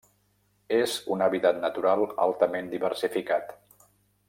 És un hàbitat natural altament diversificat.